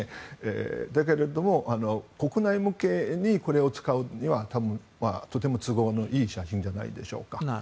だけれども国内向けにこれを使うにはとても都合がいい写真じゃないでしょうか。